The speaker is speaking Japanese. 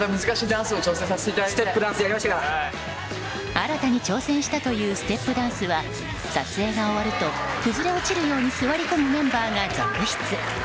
新たに挑戦したというステップダンスは撮影が終わると崩れ落ちるように座り込むメンバーが続出。